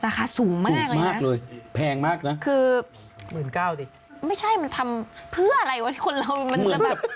ราคาสูงมากเลยนะคือไม่ใช่มันทำเพื่ออะไรวะที่คนเรามันจะแบบ